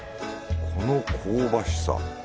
この香ばしさ。